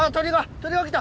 鳥が来た。